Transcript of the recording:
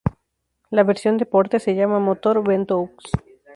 La versión "deporte" se llama motor Ventoux.